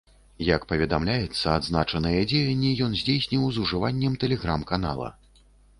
Як паведамляецца, азначаныя дзеянні ён здзейсніў з ужываннем тэлеграм-канала.